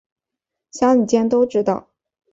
乡里间都知道